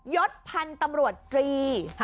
ยศพันธุ์ตำรวจตรี